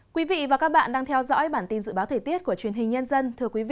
quý vị và các bạn đang theo dõi bản tin dự báo thời tiết của truyền hình nhân dân